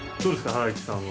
ハライチさんは。